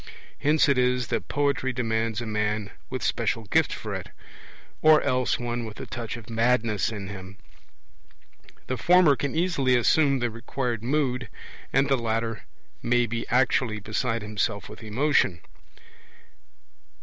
Hence it is that poetry demands a man with special gift for it, or else one with a touch of madness in him; the former can easily assume the required mood, and the latter may be actually beside himself with emotion.